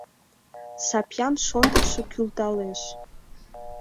Сапьян шондыкшо кӱлдалеш.